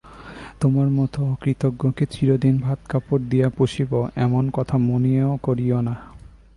তোমার মতো অকৃতজ্ঞকে চিরদিন ভাত-কাপড় দিয়া পুষিব, এমন কথা মনেও করিয়ো না।